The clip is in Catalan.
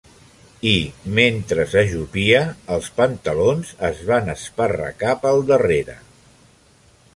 I, mentre s'ajupia, els pantalons es van esparracar pel darrera.